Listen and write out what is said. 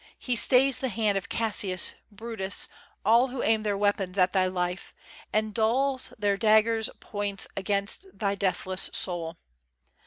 He stays the hand of Cassius, Brutus, all Who aim their weapons at thy life, and dulls Their daggers' points against thy deathless soul.